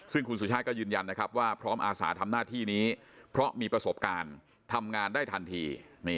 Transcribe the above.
ซึ่งคุณสุชาติก็ยืนยันนะครับว่าพร้อมอาสาทำหน้าที่นี้เพราะมีประสบการณ์ทำงานได้ทันที